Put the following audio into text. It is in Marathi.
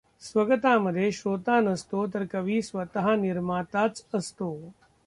स्वगतामध्ये श्रोता नसतो तर कवी स्वत निर्माताच असतो.